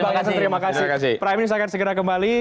bang hasan terima kasih prime news akan segera kembali